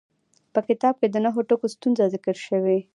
په کتاب کې د نهو ټکو ستونزه ذکر شوې.